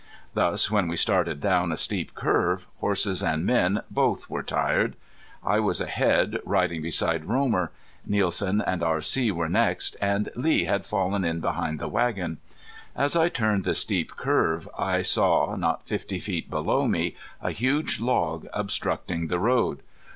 Thus when we started down a steep curve, horses and men both were tired. I was ahead riding beside Romer. Nielsen and R.C. were next, and Lee had fallen in behind the wagon. As I turned the sharp curve I saw not fifty feet below me a huge log obstructing the road.